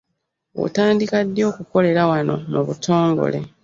Otandika ddi okukolera wano mu butongole?